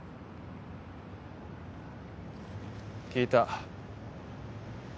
聞いた。